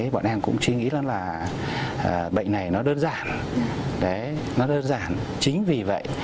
bọn em cũng chí nghĩ là bệnh này nó đơn giản chính vì vậy